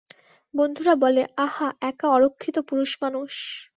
বন্ধুরা বলে, আহা, একা অরক্ষিত পুরুষমানুষ।